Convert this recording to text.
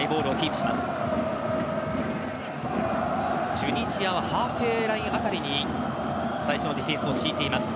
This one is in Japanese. チュニジアはハーフウェーライン辺りに最初はディフェンスを敷いています。